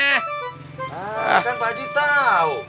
kan pak ji tau